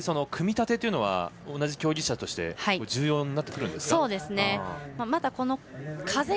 組み立てというのは同じ競技者として重要になってくるんですか？